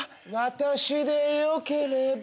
私でよければ。